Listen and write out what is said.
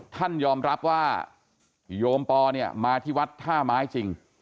ท่านยอมรับว่าโยมปอเนี่ยมาที่วัดท่าไม้จริง